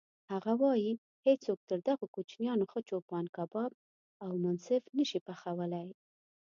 هغه وایي: هیڅوک تر دغو کوچیانو ښه چوپان کباب او منسف نه شي پخولی.